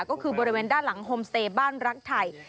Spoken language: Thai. ก็คือบริเวณด้านหลังโฮมสเตย์บ้านรักไทย